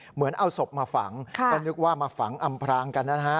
เหมือนเอาศพมาฝังก็นึกว่ามาฝังอำพรางกันนะฮะ